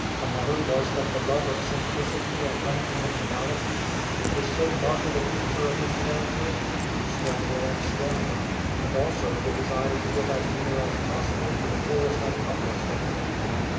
Another was that the love of simplicity and unconventionality, which was so marked a feature of his character, grew stronger and stronger, and also the desire to get as near as possible to the poorest and humblest of the people.